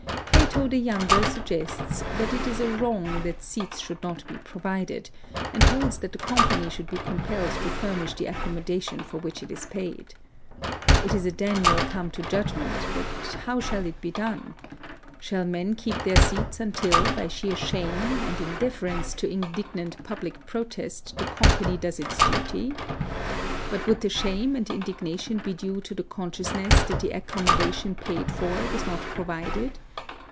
Cato the younger suggests that it is a wrong that seats should not be provided, and holds that the company should be compelled to furnish the accommodation for which it is paid. It is a Daniel come to judgment, but how shall it be done? Shall men keep their seats until, by sheer shame, and in deference to indignant public protest, the company does its duty? But would the shame and indignation be due to the consciousness that the accommodation paid for was not provided?